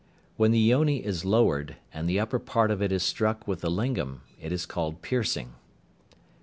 When the yoni is lowered, and the upper part of it is struck with the lingam, it is called "piercing."